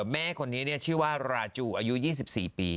แม่คนนี้ชื่อว่าราจูอายุ๒๔ปี